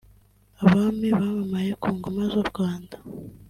abami bamamaye ku ngoma z’u Rwanda